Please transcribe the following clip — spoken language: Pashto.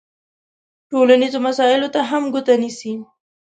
ټولنیزو مسایلو ته هم ګوته نیسي.